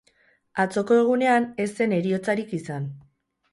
Atzoko egunean ez zen heriotzarik izan.